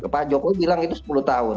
pak jokowi bilang itu sepuluh tahun